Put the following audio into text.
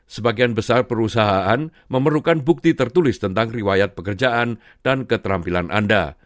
sebagian besar perusahaan memerlukan bukti tertulis tentang riwayat pekerjaan dan keterampilan anda